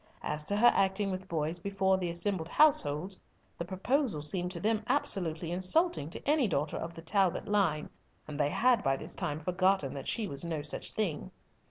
As to her acting with boys before the assembled households, the proposal seemed to them absolutely insulting to any daughter of the Talbot line, and they had by this time forgotten that she was no such thing.